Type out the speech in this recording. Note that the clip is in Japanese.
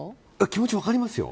気持ち分かりますよ。